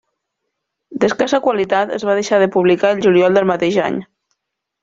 D'escassa qualitat, es va deixar de publicar el juliol del mateix any.